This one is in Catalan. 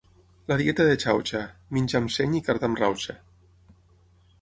La dieta de Xauxa: menjar amb seny i cardar amb rauxa.